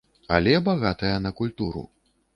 Але багатая на культуру.